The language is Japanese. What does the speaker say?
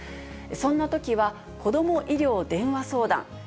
こんなときは、こども医療でんわ相談。